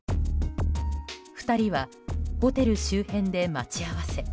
２人はホテル周辺で待ち合わせ。